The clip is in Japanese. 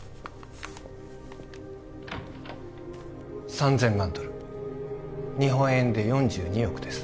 ３０００万ドル日本円で４２億です